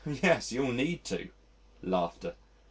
"Yes, you'll need to."